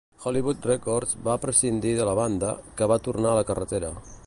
Hollywood Records va prescindir de la banda, que va tornar a la carretera.